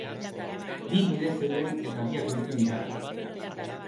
Bi bide zeuden eta biak bete dira.